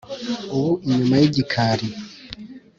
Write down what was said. ubu inyuma y’igikali